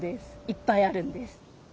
いっぱいあるんです。